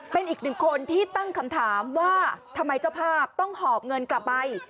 เป็นอีกหนึ่งคนที่ตั้งคำถามว่าทำไมเจ้าภาพต้องหอบเงินกลับไป